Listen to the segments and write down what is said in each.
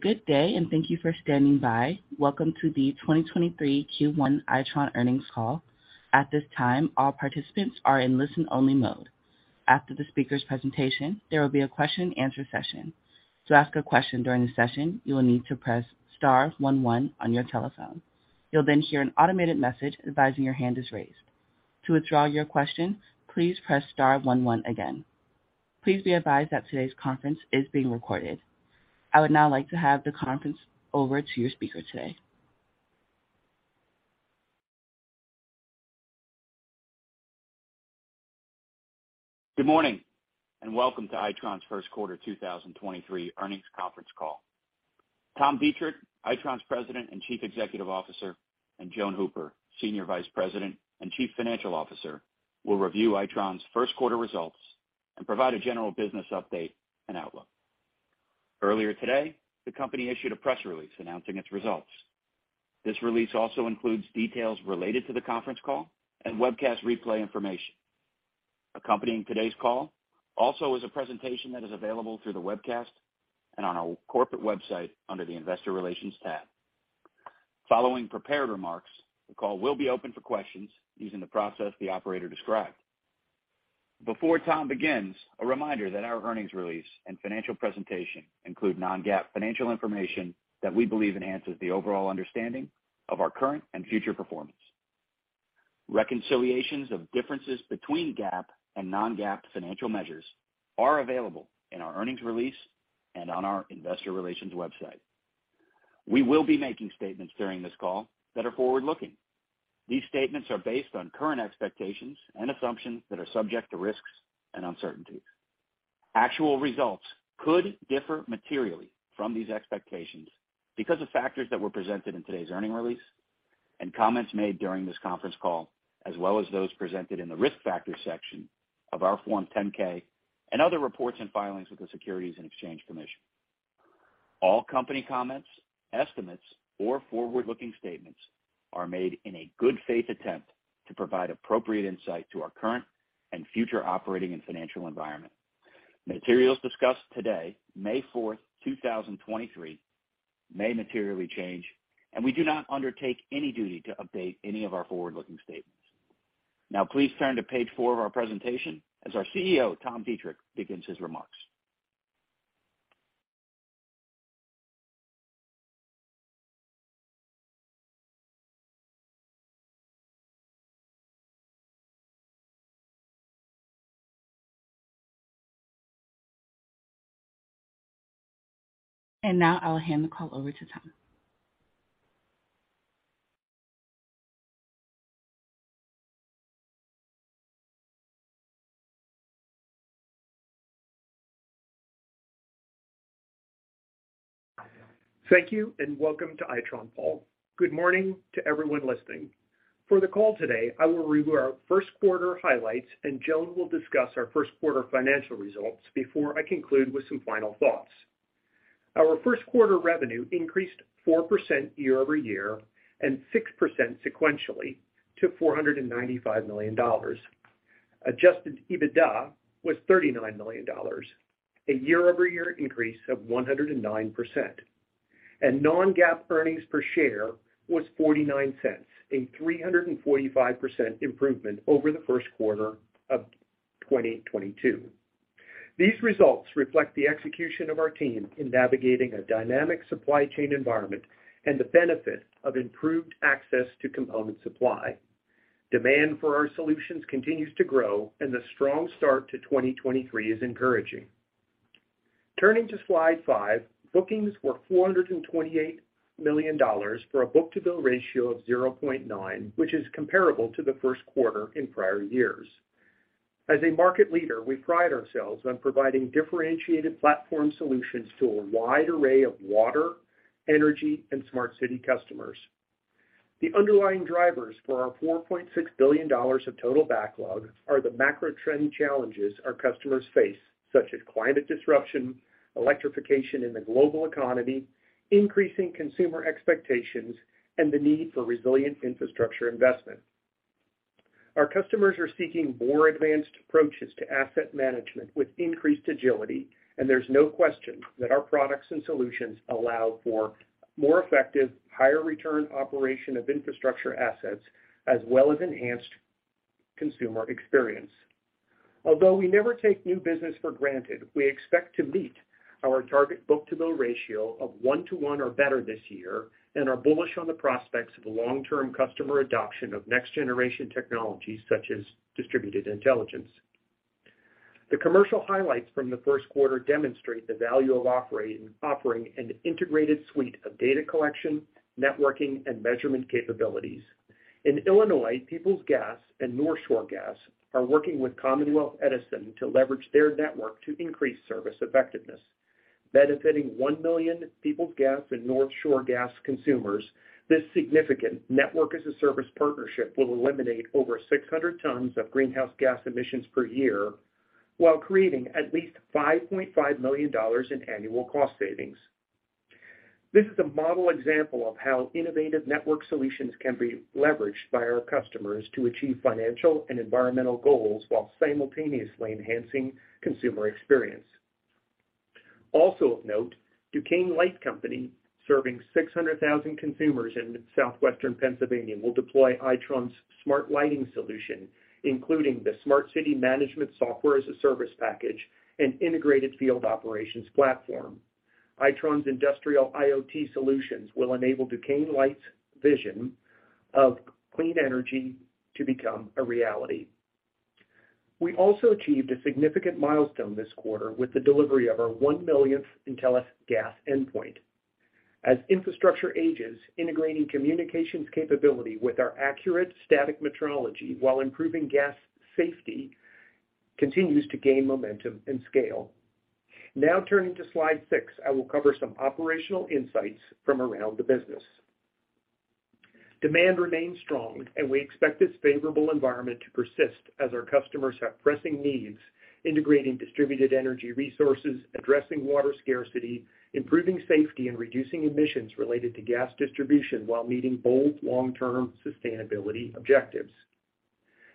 Good day. Thank you for standing by. Welcome to the 2023 Q1 Itron earnings call. At this time, all participants are in listen-only mode. After the speaker's presentation, there will be a question and answer session. To ask a question during the session, you will need to press star one one on your telephone. You'll hear an automated message advising your hand is raised. To withdraw your question, please press star one one again. Please be advised that today's conference is being recorded. I would now like to have the conference over to your speaker today. Good morning and welcome to Itron's Q1 2023 earnings conference call. Tom Deitrich, Itron's President and Chief Executive Officer, and Joan Hooper, Senior Vice President and Chief Financial Officer, will review Itron's Q1 results and provide a general business update and outlook. Earlier today, the company issued a press release announcing its results. This release also includes details related to the conference call and webcast replay information. Accompanying today's call also is a presentation that is available through the webcast and on our corporate website under the Investor Relations tab. Following prepared remarks, the call will be open for questions using the process the operator described. Before Tom begins, a reminder that our earnings release and financial presentation include non-GAAP financial information that we believe enhances the overall understanding of our current and future performance. Reconciliations of differences between GAAP and non-GAAP financial measures are available in our earnings release and on our investor relations website. We will be making statements during this call that are forward-looking. These statements are based on current expectations and assumptions that are subject to risks and uncertainties. Actual results could differ materially from these expectations because of factors that were presented in today's earnings release and comments made during this conference call, as well as those presented in the Risk Factors section of our Form 10-K and other reports and filings with the Securities and Exchange Commission. All company comments, estimates, or forward-looking statements are made in a good faith attempt to provide appropriate insight to our current and future operating and financial environment. Materials discussed today, May fourth, 2023, may materially change, and we do not undertake any duty to update any of our forward-looking statements. Now please turn to page four of our presentation as our CEO, Tom Deitrich, begins his remarks. Now I'll hand the call over to Tom. Thank you. Welcome to Itron call. Good morning to everyone listening. For the call today, I will review our Q1 highlights, and Joan will discuss our Q1 financial results before I conclude with some final thoughts. Our Q1 revenue increased 4% year-over-year and 6% sequentially to $495 million. Adjusted EBITDA was $39 million, a year-over-year increase of 109%. Non-GAAP earnings per share was $0.49, a 345% improvement over the Q1 of 2022. These results reflect the execution of our team in navigating a dynamic supply chain environment and the benefit of improved access to component supply. Demand for our solutions continues to grow and the strong start to 2023 is encouraging. Turning to slide five. Bookings were $428 million for a book-to-bill ratio of 0.9, which is comparable to the Q1 in prior years. As a market leader, we pride ourselves on providing differentiated platform solutions to a wide array of water, energy, and smart city customers. The underlying drivers for our $4.6 billion of total backlog are the macro trend challenges our customers face, such as climate disruption, electrification in the global economy, increasing consumer expectations, and the need for resilient infrastructure investment. Our customers are seeking more advanced approaches to asset management with increased agility. There's no question that our products and solutions allow for more effective, higher return operation of infrastructure assets, as well as enhanced consumer experience. Although we never take new business for granted, we expect to meet our target book-to-bill ratio of one to one or better this year and are bullish on the prospects of long-term customer adoption of next-generation technologies such as Distributed Intelligence. The commercial highlights from the Q1 demonstrate the value of offering an integrated suite of data collection, networking, and measurement capabilities. In Illinois, Peoples Gas and North Shore Gas are working with Commonwealth Edison to leverage their network to increase service effectiveness. Benefiting one million Peoples Gas and North Shore Gas consumers, this significant Network as a Service partnership will eliminate over 600 tons of greenhouse gas emissions per year while creating at least $5.5 million in annual cost savings. Of note, Duquesne Light Company, serving 600,000 consumers in southwestern Pennsylvania, will deploy Itron's smart lighting solution, including the Smart City management software as a service package and integrated field operations platform. Itron's industrial IoT solutions will enable Duquesne Light's vision of clean energy to become a reality. We also achieved a significant milestone this quarter with the delivery of our one-millionth Intelis gas endpoint. As infrastructure ages, integrating communications capability with our accurate static metrology while improving gas safety continues to gain momentum and scale. Turning to slide six, I will cover some operational insights from around the business. Demand remains strong, and we expect this favorable environment to persist as our customers have pressing needs, integrating distributed energy resources, addressing water scarcity, improving safety, and reducing emissions related to gas distribution while meeting bold long-term sustainability objectives.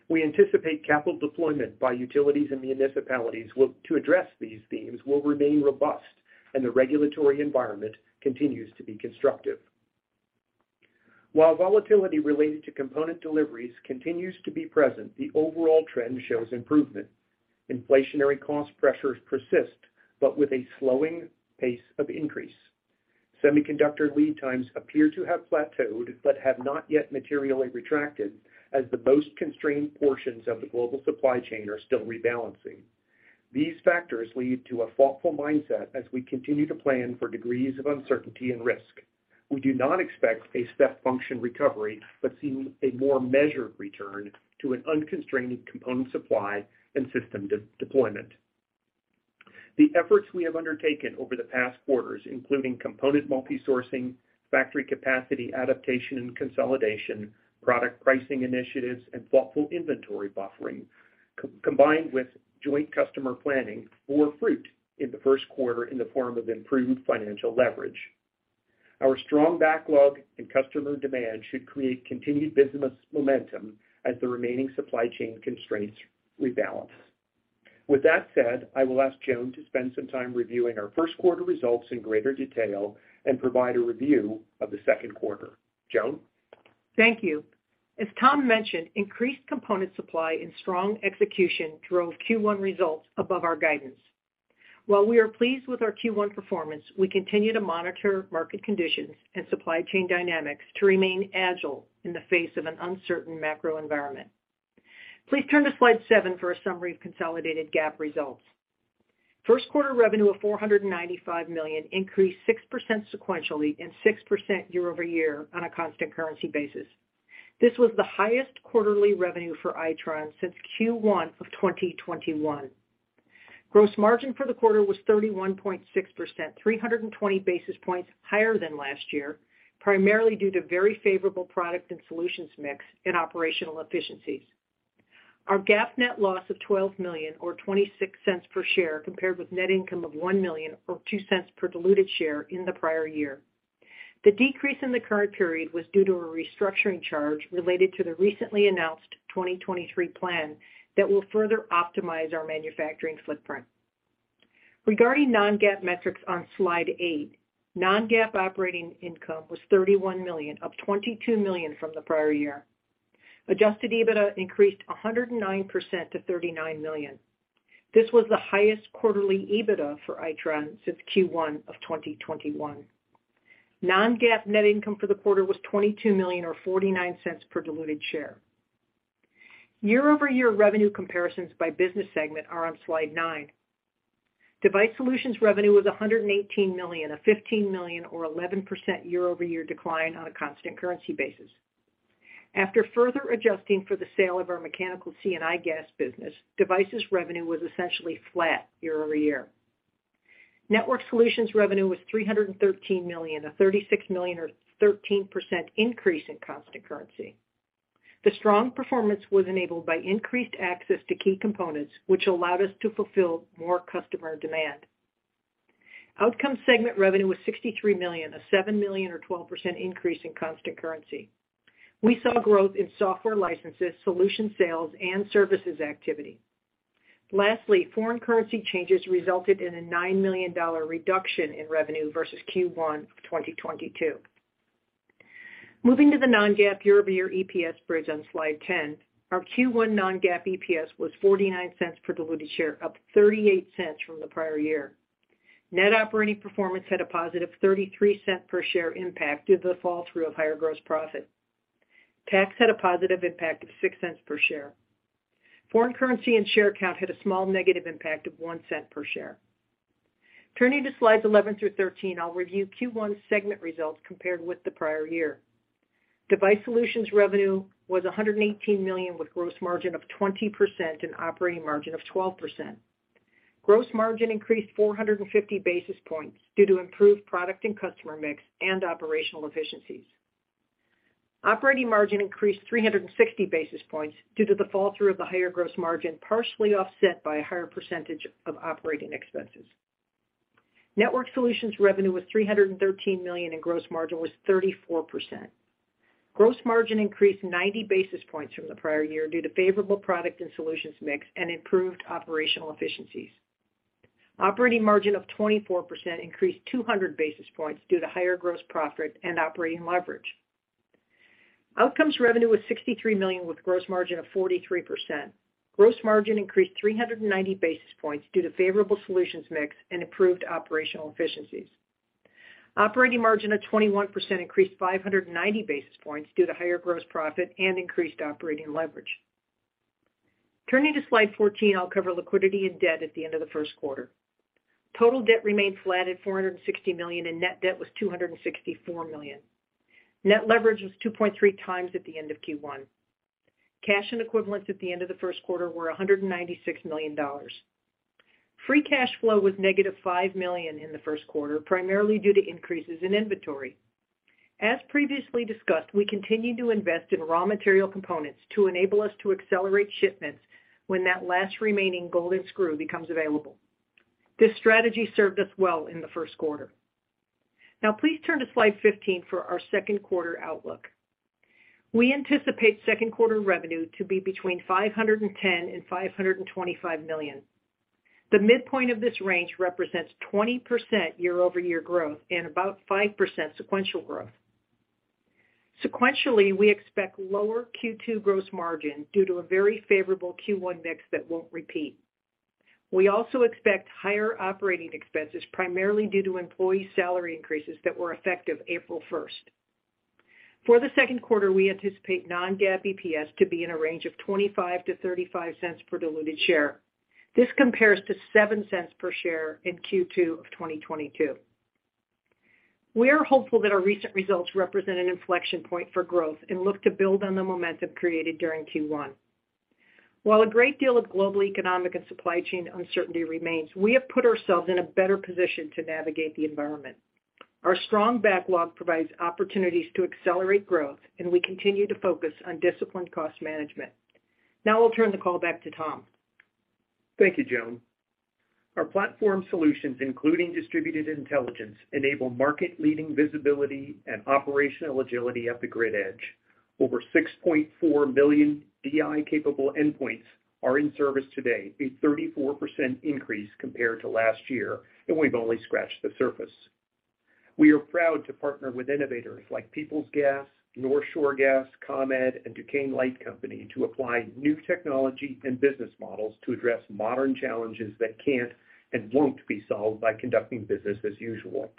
We anticipate capital deployment by utilities and municipalities to address these themes will remain robust, and the regulatory environment continues to be constructive. While volatility related to component deliveries continues to be present, the overall trend shows improvement. Inflationary cost pressures persist, but with a slowing pace of increase. Semiconductor lead times appear to have plateaued but have not yet materially retracted as the most constrained portions of the global supply chain are still rebalancing. These factors lead to a thoughtful mindset as we continue to plan for degrees of uncertainty and risk. We do not expect a step function recovery, but see a more measured return to an unconstrained component supply and system de-deployment. The efforts we have undertaken over the past quarters, including component multi-sourcing, factory capacity adaptation and consolidation, product pricing initiatives, and thoughtful inventory buffering, combined with joint customer planning, bore fruit in the Q1 in the form of improved financial leverage. Our strong backlog and customer demand should create continued business momentum as the remaining supply chain constraints rebalance. With that said, I will ask Joan to spend some time reviewing our Q1 results in greater detail and provide a review of the Q2. Joan? Thank you. As Tom mentioned, increased component supply and strong execution drove Q1 results above our guidance. While we are pleased with our Q1 performance, we continue to monitor market conditions and supply chain dynamics to remain agile in the face of an uncertain macro environment. Please turn to slide seven for a summary of consolidated GAAP results. Q1 revenue of $495 million increased 6% sequentially and 6% year-over-year on a constant currency basis. This was the highest quarterly revenue for Itron since Q1 of 2021. Gross margin for the quarter was 31.6%, 320 basis points higher than last year, primarily due to very favorable product and solutions mix and operational efficiencies. Our GAAP net loss of $12 million or $0.26 per share compared with net income of $1 million or $0.02 per diluted share in the prior year. The decrease in the current period was due to a restructuring charge related to the recently announced 2023 Projects that will further optimize our manufacturing footprint. Regarding non-GAAP metrics on slide eight, non-GAAP operating income was $31 million, up $22 million from the prior year. Adjusted EBITDA increased 109% to $39 million. This was the highest quarterly EBITDA for Itron since Q1 of 2021. Non-GAAP net income for the quarter was $22 million or $0.49 per diluted share. Year-over-year revenue comparisons by business segment are on slide nine. Device Solutions revenue was $118 million, a $15 million or 11% year-over-year decline on a constant currency basis. After further adjusting for the sale of our mechanical C&I gas business, Devices revenue was essentially flat year-over-year. Networked Solutions revenue was $313 million, a $36 million or 13% increase in constant currency. The strong performance was enabled by increased access to key components, which allowed us to fulfill more customer demand. Outcomes segment revenue was $63 million, a $7 million or 12% increase in constant currency. We saw growth in software licenses, solution sales, and services activity. Foreign currency changes resulted in a $9 million reduction in revenue versus Q1 of 2022. Moving to the non-GAAP year-over-year EPS bridge on slide 10, our Q1 non-GAAP EPS was $0.49 per diluted share, up $0.38 from the prior year. Net operating performance had a positive $0.33 per share impact due to the fall through of higher gross profit. Tax had a positive impact of $0.06 per share. Foreign currency and share count had a small negative impact of $0.01 per share. Turning to slides 11 through 13, I'll review Q1 segment results compared with the prior year. Device Solutions revenue was $118 million, with gross margin of 20% and operating margin of 12%. Gross margin increased 450 basis points due to improved product and customer mix and operational efficiencies. Operating margin increased 360 basis points due to the fall through of the higher gross margin, partially offset by a higher percentage of operating expenses. Network Solutions revenue was $313 million, and gross margin was 34%. Gross margin increased 90 basis points from the prior year due to favorable product and solutions mix and improved operational efficiencies. Operating margin of 24% increased 200 basis points due to higher gross profit and operating leverage. Outcomes revenue was $63 million with gross margin of 43%. Gross margin increased 390 basis points due to favorable solutions mix and improved operational efficiencies. Operating margin of 21% increased 590 basis points due to higher gross profit and increased operating leverage. Turning to slide 14, I'll cover liquidity and debt at the end of the Q1. Total debt remained flat at $460 million, and net debt was $264 million. Net leverage was 2.3x at the end of Q1. Cash and equivalents at the end of the Q1 were $196 million. Free cash flow was negative $5 million in the Q1, primarily due to increases in inventory. As previously discussed, we continue to invest in raw material components to enable us to accelerate shipments when that last remaining golden screw becomes available. This strategy served us well in the Q1. Please turn to slide 15 for our Q2 outlook. We anticipate Q2 revenue to be between $510 million and $525 million. The midpoint of this range represents 20% year-over-year growth and about 5% sequential growth. Sequentially, we expect lower Q2 gross margin due to a very favorable Q1 mix that won't repeat. We also expect higher operating expenses, primarily due to employee salary increases that were effective April 1st. For the Q2, we anticipate non-GAAP EPS to be in a range of $0.25-$0.35 per diluted share. This compares to $0.07 per share in Q2 of 2022. We are hopeful that our recent results represent an inflection point for growth and look to build on the momentum created during Q1. While a great deal of global economic and supply chain uncertainty remains, we have put ourselves in a better position to navigate the environment. Our strong backlog provides opportunities to accelerate growth, and we continue to focus on disciplined cost management. Now I'll turn the call back to Tom. Thank you, Joan. Our platform solutions, including Distributed Intelligence, enable market-leading visibility and operational agility at the grid edge. Over 6.4 million DI-capable endpoints are in service today, a 34% increase compared to last year. We've only scratched the surface. We are proud to partner with innovators like Peoples Gas, North Shore Gas, ComEd, and Duquesne Light Company to apply new technology and business models to address modern challenges that can't and won't be solved by conducting business as usual.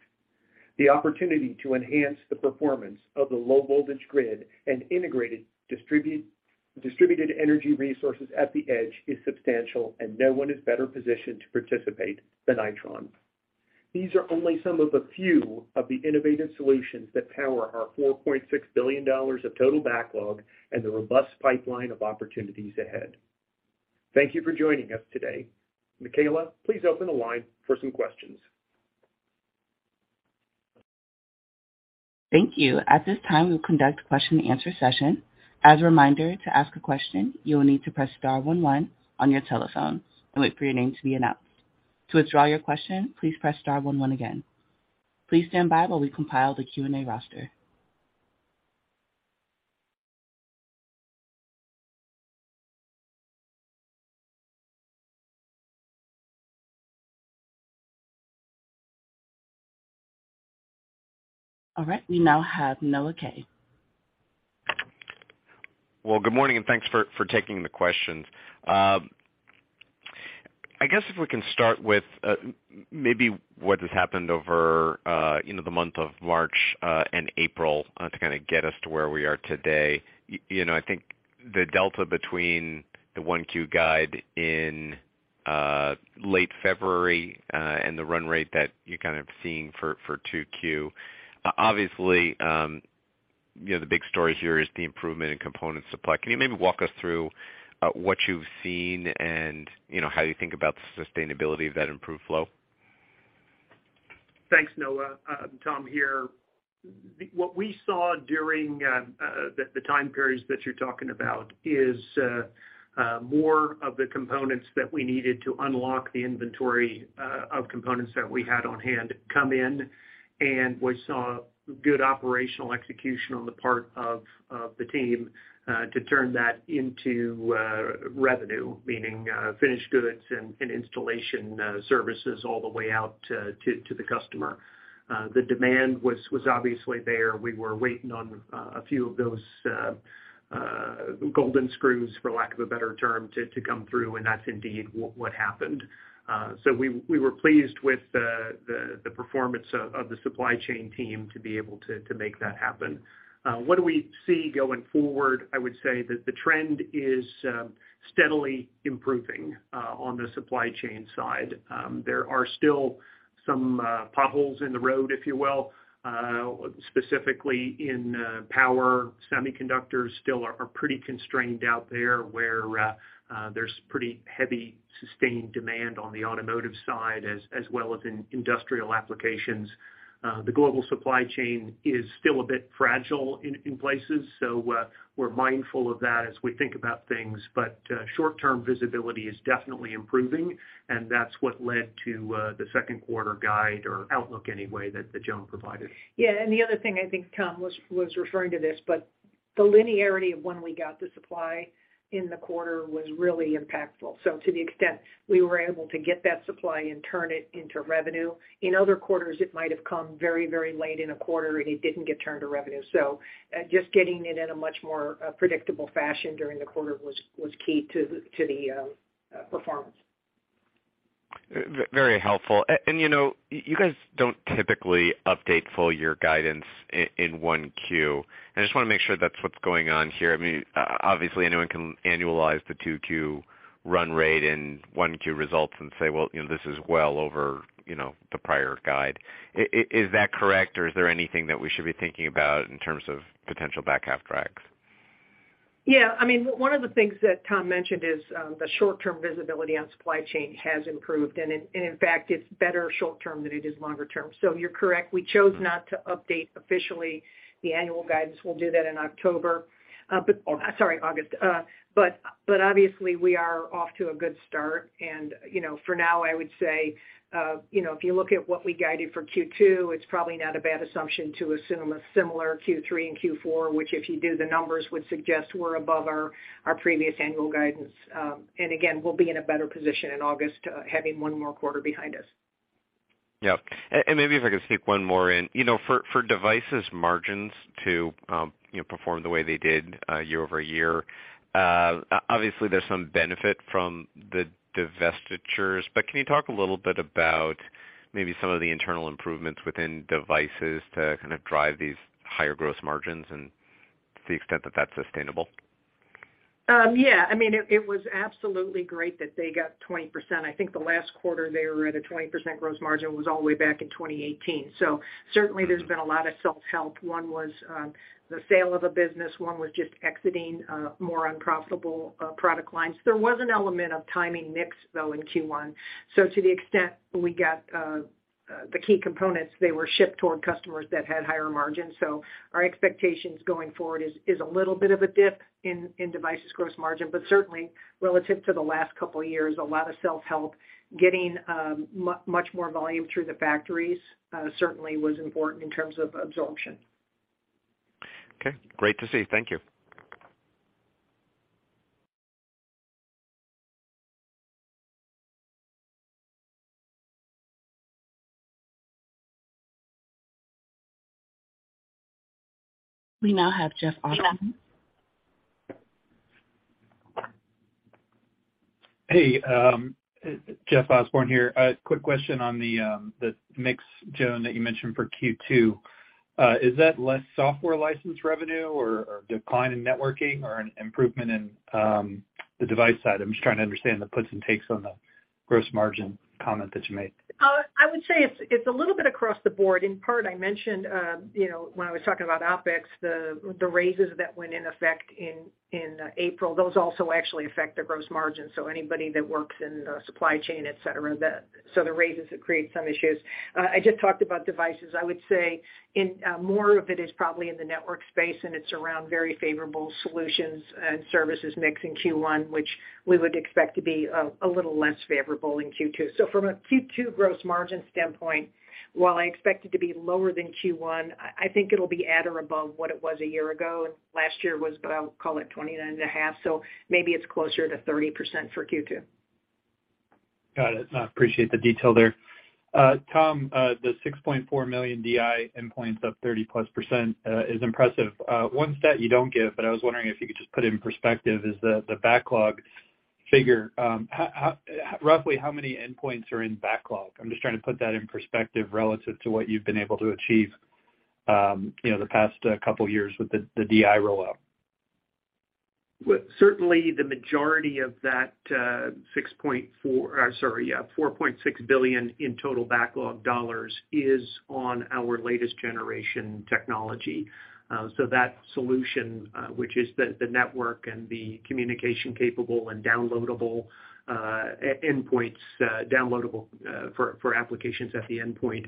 The opportunity to enhance the performance of the low-voltage grid and integrated distributed energy resources at the edge is substantial. No one is better positioned to participate than Itron. These are only some of a few of the innovative solutions that power our $4.6 billion of total backlog. The robust pipeline of opportunities ahead. Thank you for joining us today. Makayla, please open the line for some questions. Thank you. At this time, we'll conduct a question-and-answer session. As a reminder, to ask a question, you will need to press star one one on your telephones and wait for your name to be announced. To withdraw your question, please press star one one again. Please stand by while we compile the Q&A roster. All right, we now have Noah Kaye. Good morning, and thanks for taking the questions. I guess if we can start with maybe what has happened over, you know, the month of March and April to kind of get us to where we are today. You know, I think the delta between the 1Q guide in late February and the run rate that you're kind of seeing for 2Q, obviously, you know, the big story here is the improvement in component supply. Can you maybe walk us through what you've seen and, you know, how you think about the sustainability of that improved flow? Thanks, Noah. Tom here. What we saw during the time periods that you're talking about is more of the components that we needed to unlock the inventory of components that we had on hand come in, and we saw good operational execution on the part of the team to turn that into revenue, meaning finished goods and installation services all the way out to the customer. The demand was obviously there. We were waiting on a few of those golden screws, for lack of a better term, to come through, and that's indeed what happened. We were pleased with the performance of the supply chain team to be able to make that happen. What do we see going forward? I would say that the trend is steadily improving on the supply chain side. There are still some potholes in the road, if you will, specifically in power. Semiconductors still are pretty constrained out there, where there's pretty heavy sustained demand on the automotive side as well as in industrial applications. The global supply chain is still a bit fragile in places, so we're mindful of that as we think about things. Short-term visibility is definitely improving, and that's what led to the Q2 guide or outlook anyway that Joan provided. The other thing I think Tom was referring to this. The linearity of when we got the supply in the quarter was really impactful. To the extent we were able to get that supply and turn it into revenue. In other quarters, it might have come very, very late in a quarter, and it didn't get turned to revenue. Just getting it in a much more predictable fashion during the quarter was key to the performance. Very helpful. you know, you guys don't typically update full year guidance in one Q. I just wanna make sure that's what's going on here. I mean, obviously, anyone can annualize the two Q run rate and one Q results and say, "Well, you know, this is well over, you know, the prior guide." Is that correct, or is there anything that we should be thinking about in terms of potential back half tracks? Yeah. I mean, one of the things that Tom mentioned is the short-term visibility on supply chain has improved, and in fact, it's better short term than it is longer term. You're correct. We chose not to update officially the annual guidance. We'll do that in October, but sorry, August. But obviously we are off to a good start and, you know, for now, I would say, if you look at what we guided for Q2, it's probably not a bad assumption to assume a similar Q3 and Q4, which if you do the numbers, would suggest we're above our previous annual guidance. Again, we'll be in a better position in August, having one more quarter behind us. Yeah. Maybe if I could sneak one more in. You know, for Devices margins to, you know, perform the way they did, year-over-year, obviously, there's some benefit from the divestitures, but can you talk a little bit about maybe some of the internal improvements within Devices to kind of drive these higher gross margins and the extent that that's sustainable? Yeah. I mean, it was absolutely great that they got 20%. I think the last quarter they were at a 20% gross margin was all the way back in 2018. Certainly there's been a lot of self-help. One was the sale of a business. One was just exiting more unprofitable product lines. There was an element of timing mix, though, in Q1. To the extent we got the key components, they were shipped toward customers that had higher margins. Our expectations going forward is a little bit of a dip in devices gross margin, but certainly relative to the last couple of years, a lot of self-help. Getting much more volume through the factories certainly was important in terms of absorption. Okay. Great to see. Thank you. We now have Jeff Osborne. Hey, Jeff Osborne here. A quick question on the mix, Joan, that you mentioned for Q2. Is that less software license revenue or decline in networking or an improvement in the device side? I'm just trying to understand the puts and takes on the gross margin comment that you made. I would say it's a little bit across the board. In part, I mentioned, you know, when I was talking about OpEx, the raises that went in effect in April, those also actually affect the gross margin, so anybody that works in the supply chain, et cetera, so the raises have created some issues. I just talked about devices. I would say in, more of it is probably in the network space, and it's around very favorable solutions and services mix in Q1, which we would expect to be a little less favorable in Q2. From a Q2 gross margin standpoint, while I expect it to be lower than Q1, I think it'll be at or above what it was a year ago, and last year was about, call it 29.5%, so maybe it's closer to 30% for Q2. Got it. I appreciate the detail there. Tom, the 6.4 million DI endpoints up 30%+ is impressive. One stat you don't give, but I was wondering if you could just put it in perspective is the backlog figure. Roughly how many endpoints are in backlog? I'm just trying to put that in perspective relative to what you've been able to achieve, you know, the past couple years with the DI rollout. Certainly the majority of that $4.6 billion in total backlog is on our latest generation technology. So that solution, which is the network and the communication capable and downloadable e-endpoints, downloadable for applications at the endpoint,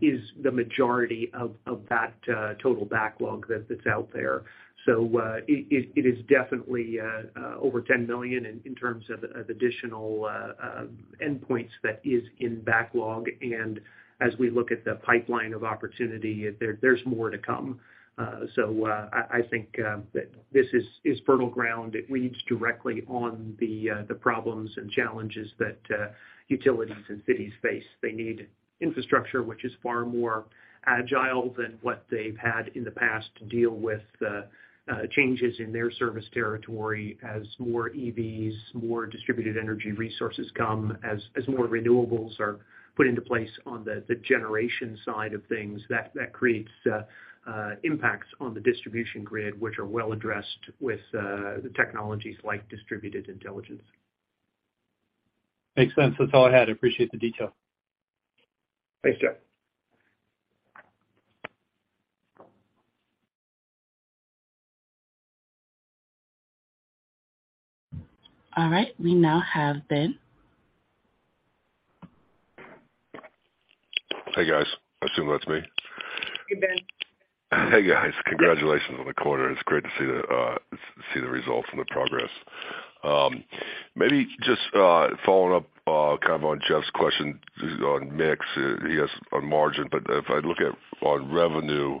is the majority of that total backlog that's out there. It is definitely over 10 million in terms of additional endpoints that is in backlog. As we look at the pipeline of opportunity, there's more to come. I think that this is fertile ground. It reads directly on the problems and challenges that utilities and cities face. They need infrastructure which is far more agile than what they've had in the past to deal with the changes in their service territory as more EVs, more distributed energy resources come, as more renewables are put into place on the generation side of things. That creates impacts on the distribution grid, which are well addressed with the technologies like Distributed Intelligence. Makes sense. That's all I had. Appreciate the detail. Thanks, Jeff. All right. We now have Ben. Hey, guys. I assume that's me. Hey, Ben. Hey, guys. Congratulations on the quarter. It's great to see See the results and the progress. maybe just following up kind of on Jeff's question on mix, he asked on margin, but if I look at on revenue too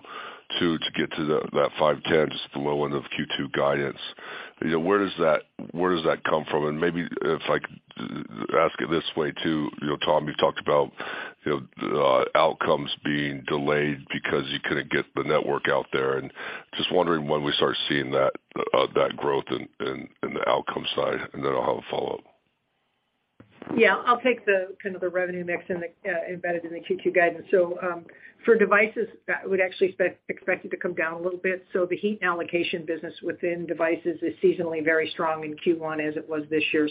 to get to that 510, just the low end of Q2 guidance, you know, where does that come from? Maybe if I could ask it this way too, you know, Tom, you've talked about, you know, Outcomes being delayed because you couldn't get the network out there, and just wondering when we start seeing that growth in the Outcome side, and then I'll have a follow-up. Yeah, I'll take the kind of the revenue mix in the embedded in the Q2 guidance. For Devices, that would actually expect it to come down a little bit. The heat and allocation business within Devices is seasonally very strong in Q1 as it was this year.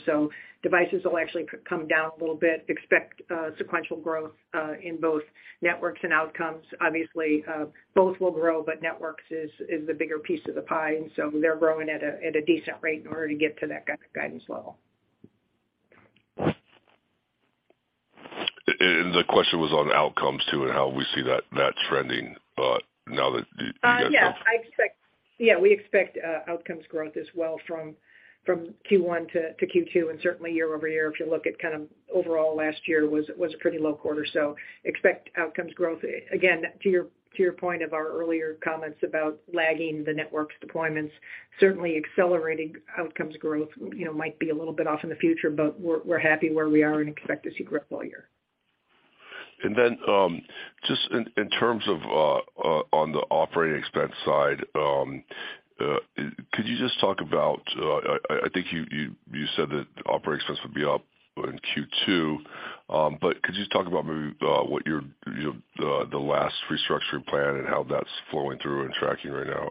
Devices will actually come down a little bit, expect sequential growth in both Networks and Outcomes. Obviously, both will grow, but Networks is the bigger piece of the pie, they're growing at a decent rate in order to get to that guidance level. The question was on Outcomes too, and how we see that trending, now that. We expect Outcomes growth as well from Q1 to Q2 and certainly year-over-year if you look at kind of overall last year was a pretty low quarter. Expect Outcomes growth. Again, to your point of our earlier comments about lagging the Network's deployments, certainly accelerating Outcomes growth, you know, might be a little bit off in the future, but we're happy where we are and expect to see growth all year. Just in terms of on the operating expense side, could you just talk about I think you said that operating expense would be up in Q2, but could you just talk about maybe what your, you know, the last restructuring plan and how that's flowing through and tracking right now?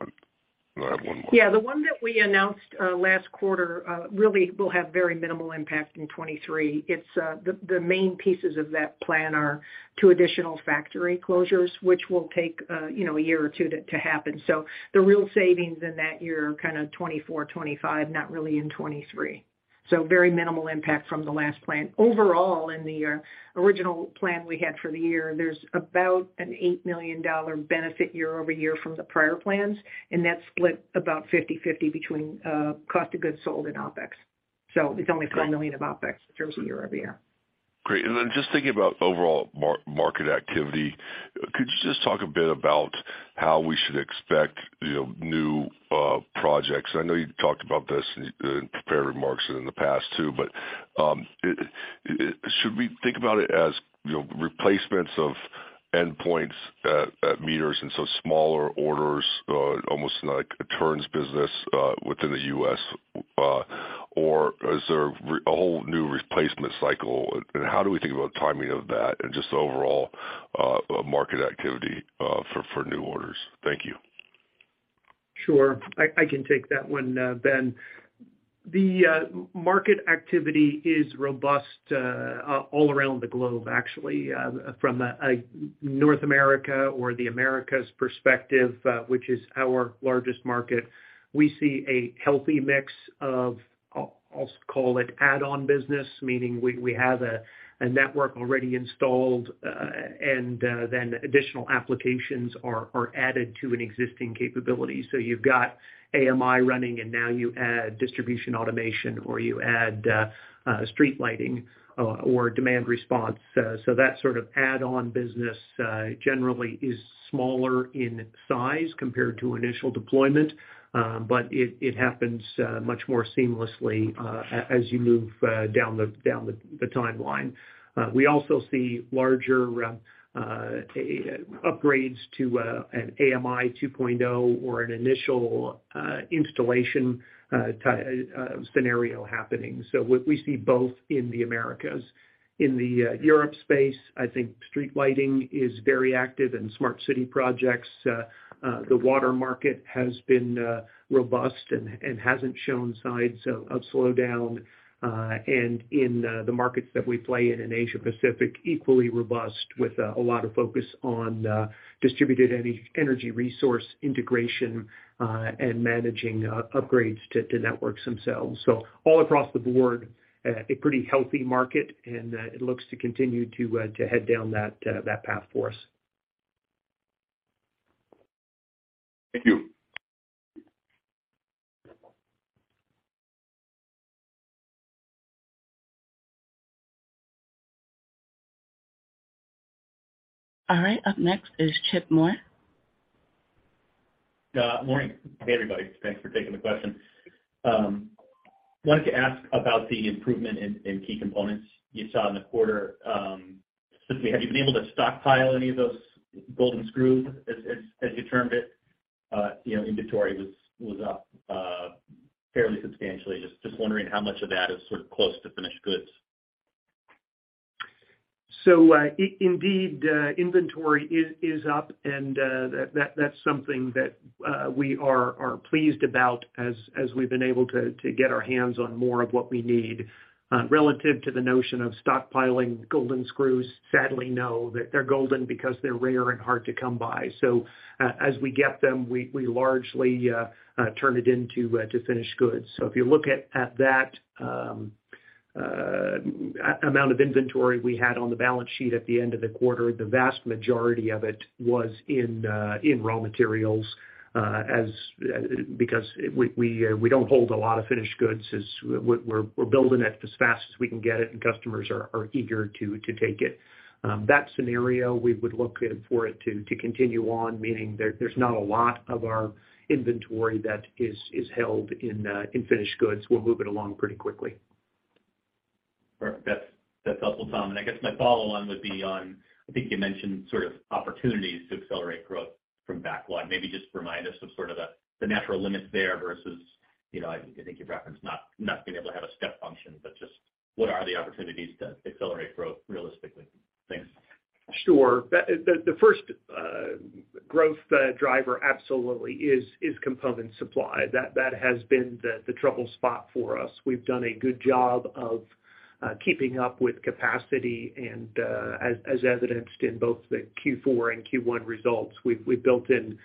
I have one more. The one that we announced last quarter, really will have very minimal impact in 2023. It's the main pieces of that plan are two additional factory closures, which will take, you know, a year or two to happen. The real savings in that year are kind of 2024, 2025, not really in 2023. Very minimal impact from the last plan. Overall, in the original plan we had for the year, there's about an $8 million benefit year-over-year from the prior plans, and that's split about 50/50 between Cost of Goods Sold and OpEx. It's only $5 million of OpEx in terms of year-over-year. Great. Then just thinking about overall market activity, could you just talk a bit about how we should expect, you know, new projects? I know you talked about this in prepared remarks in the past too, but, should we think about it as, you know, replacements of endpoints at meters and so smaller orders, almost like a turns business within the U.S., or is there a whole new replacement cycle, and how do we think about timing of that and just overall market activity for new orders? Thank you. Sure. I can take that one, Ben. The market activity is robust all around the globe actually. From a North America or the Americas perspective, which is our largest market, we see a healthy mix of, I'll call it add-on business, meaning we have a network already installed and then additional applications are added to an existing capability. You've got AMI running and now you add distribution automation or you add street lighting or demand response. That sort of add-on business generally is smaller in size compared to initial deployment, but it happens much more seamlessly as you move down the timeline. We also see larger upgrades to an AMI 2.0 or an initial installation scenario happening. We see both in the Americas. In the Europe space, I think street lighting is very active and smart city projects. The water market has been robust and hasn't shown signs of slowdown. And in the markets that we play in Asia Pacific, equally robust with a lot of focus on distributed energy resource integration and managing upgrades to networks themselves. All across the board, a pretty healthy market, and it looks to continue to head down that path for us. Thank you. All right. Up next is Chip Moore. Morning. Hey, everybody. Thanks for taking the question. Wanted to ask about the improvement in key components you saw in the quarter. Specifically, have you been able to stockpile any of those golden screws as you termed it? You know, inventory was up fairly substantially. Just wondering how much of that is sort of close to finished goods. Indeed, inventory is up and that's something that we are pleased about as we've been able to get our hands on more of what we need. Relative to the notion of stockpiling golden screws, sadly, no. They're golden because they're rare and hard to come by. As we get them, we largely turn it into finished goods. If you look at that amount of inventory we had on the balance sheet at the end of the quarter, the vast majority of it was in raw materials because we don't hold a lot of finished goods as we're building it as fast as we can get it and customers are eager to take it. That scenario, we would look at for it to continue on, meaning there's not a lot of our inventory that is held in finished goods. We'll move it along pretty quickly. Perfect. That's, that's helpful, Tom. I guess my follow on would be on, I think you mentioned sort of opportunities to accelerate growth from backlog. Maybe just remind us of sort of the natural limits there versus, you know, I think you've referenced not being able to have a step function, but just what are the opportunities to accelerate growth realistically? Thanks. Sure. The first growth driver absolutely is component supply. That has been the trouble spot for us. We've done a good job of keeping up with capacity and, as evidenced in both the Q4 and Q1 results. We've built in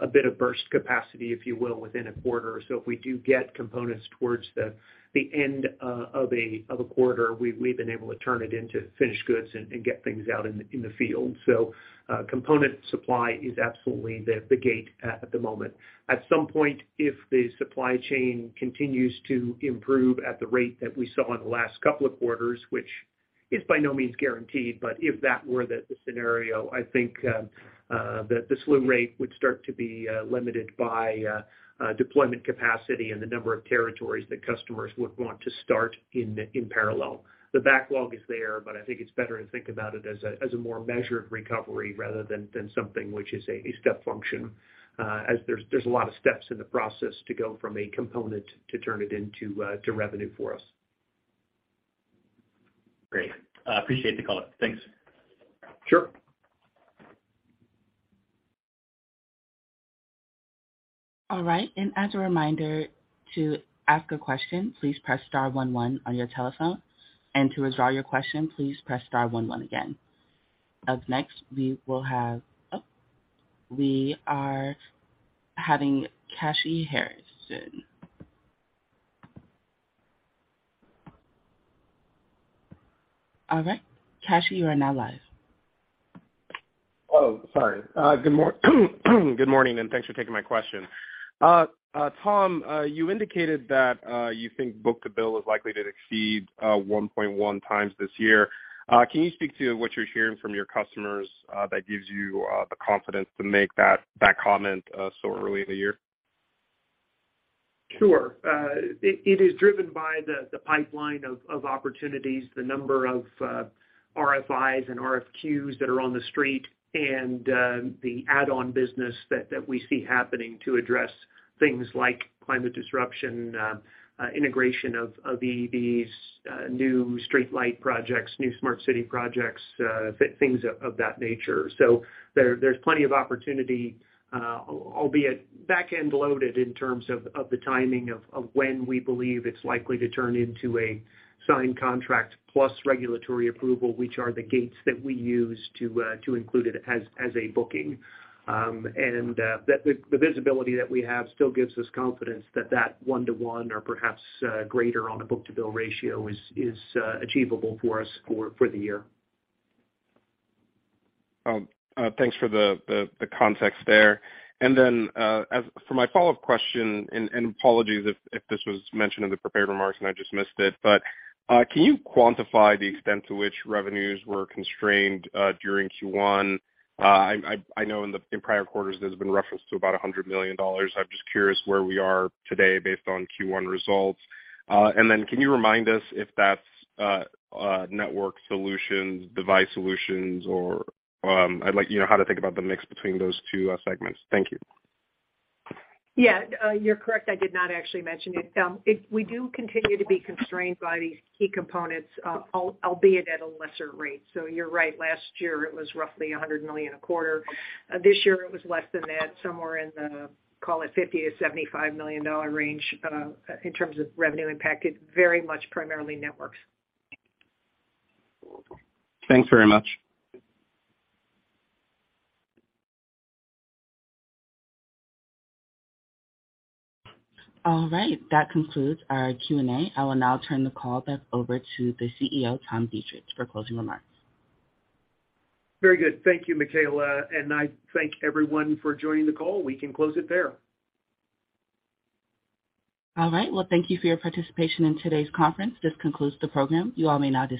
a bit of burst capacity, if you will, within a quarter. If we do get components towards the end of a quarter, we've been able to turn it into finished goods and get things out in the field. Component supply is absolutely the gate at the moment. At some point, if the supply chain continues to improve at the rate that we saw in the last couple of quarters, which is by no means guaranteed, but if that were the scenario, I think the slew rate would start to be limited by deployment capacity and the number of territories that customers would want to start in parallel. The backlog is there, but I think it's better to think about it as a more measured recovery rather than something which is a step function, as there's a lot of steps in the process to go from a component to turn it into revenue for us. Great. Appreciate the color. Thanks. Sure. All right. As a reminder, to ask a question, please press star one one on your telephone. To withdraw your question, please press star one one again. Up next, we are having Kashy Harrison. All right. Kashy, you are now live. Sorry. Good morning, Thanks for taking my question. Tom, you indicated that you think book-to-bill is likely to exceed 1.1x this year. Can you speak to what you're hearing from your customers that gives you the confidence to make that comment so early in the year? Sure. It is driven by the pipeline of opportunities, the number of RFIs and RFQs that are on the street and the add-on business that we see happening to address things like climate disruption, integration of EVs, new streetlight projects, new smart city projects, things of that nature. There's plenty of opportunity, albeit back-end loaded in terms of the timing of when we believe it's likely to turn into a signed contract plus regulatory approval, which are the gates that we use to include it as a booking. And the visibility that we have still gives us confidence that that one to one or perhaps greater on a book-to-bill ratio is achievable for us for the year. Thanks for the context there. As for my follow-up question, and apologies if this was mentioned in the prepared remarks and I just missed it, but can you quantify the extent to which revenues were constrained during Q1? I know in prior quarters, there's been reference to about $100 million. I'm just curious where we are today based on Q1 results. Can you remind us if that's Networked Solutions, Device Solutions, or, you know, how to think about the mix between those two segments. Thank you. Yeah. You're correct, I did not actually mention it. We do continue to be constrained by these key components, albeit at a lesser rate. You're right, last year it was roughly $100 million a quarter. This year it was less than that, somewhere in the, call it $50 million-$75 million range, in terms of revenue impact. It's very much primarily Networks. Thanks very much. That concludes our Q&A. I will now turn the call back over to the CEO, Tom Deitrich, for closing remarks. Very good. Thank you, Makayla. I thank everyone for joining the call. We can close it there. All right. Well, thank you for your participation in today's conference. This concludes the program. You all may now disconnect.